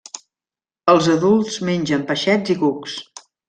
Els adults mengen peixets i cucs.